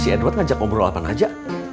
si edward ngajak pemberlatan aja